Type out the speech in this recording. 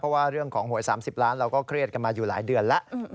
เพราะว่าเรื่องของหวย๓๐ล้านเราก็เครียดกันมาอยู่หลายเดือนแล้ว